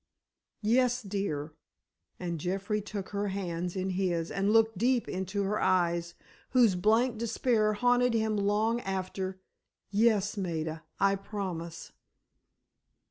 "Yes, dear," and Jeffrey took her hands in his and looked deep into her eyes, whose blank despair haunted him long after, "yes, Maida, I promise."